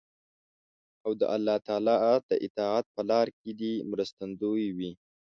او د الله تعالی د اطاعت په لار کې دې مرستندوی وي.